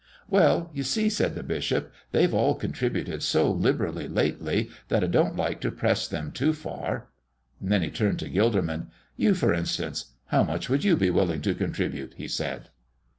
"Well, you see," said the bishop, "they've all contributed so liberally lately that I don't like to press them too far." Then he turned to Gilderman. "You, for instance how much would you be willing to contribute?" he said.